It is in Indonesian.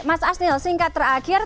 mas asnil singkat terakhir